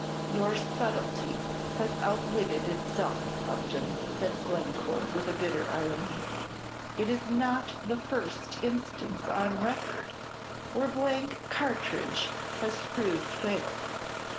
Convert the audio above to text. "Your subtlety has outwitted itself, Upton," said Glencore, with a bitter irony; "it is not the first instance on record where blank cartridge has proved fatal!"